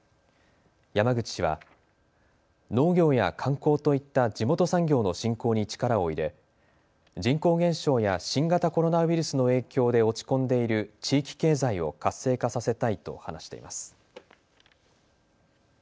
山口氏は農業や観光といった地元産業の振興に力を入れ人口減少や新型コロナウイルスの影響で落ち込んでいる地域経済を活性化させたいと話しています。